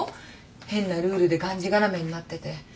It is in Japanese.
変なルールでがんじがらめになってて。